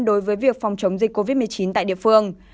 đối với việc phòng chống dịch covid một mươi chín tại địa phương